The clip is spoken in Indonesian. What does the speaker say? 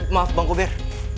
maaf bang kober